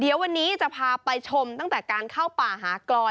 เดี๋ยววันนี้จะพาไปชมตั้งแต่การเข้าป่าหากลอย